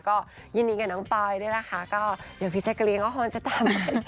ก็ยินดีกับน้องปอยด้วยนะคะก็เดี๋ยวพี่ชักกะเรียงเขาความชัดตามไหม